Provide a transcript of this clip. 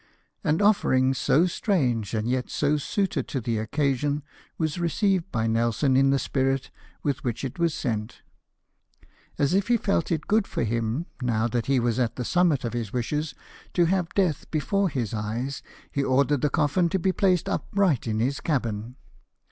An offering so strange, and yet so suited to the occasion, was received by Nelson in the spirit with which it was sent. As if he felt it good for him, now that he was at the summit of his wishes, to have death before his eyes, he ordered the coffin to be placed upright in his cabin.